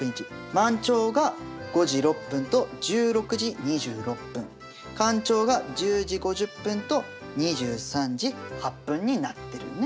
満潮が５時６分と１６時２６分干潮が１０時５０分と２３時８分になってるよね。